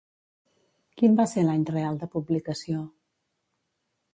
Quin va ser l'any real de publicació?